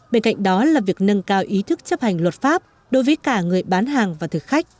bên cạnh đó là việc nâng cao ý thức chấp hành luật pháp đối với cả người bán hàng và thực khách